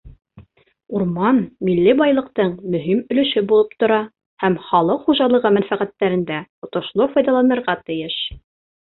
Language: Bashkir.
Урман милли байлыҡтың мөһим өлөшө булып тора һәм халыҡ хужалығы мәнфәғәттәрендә отошло файҙаланылырға тейеш.